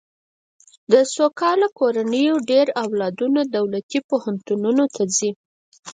د سوکاله کورنیو ډېر اولادونه دولتي پوهنتونونو ته ځي.